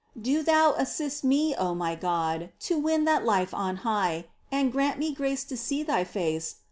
Do Thou assist me, my God, To win that life on high. And grant me grace to see Thy face